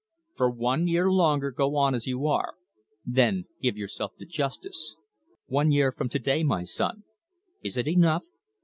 "For one year longer go on as you are, then give yourself to justice one year from to day, my son. Is it enough?"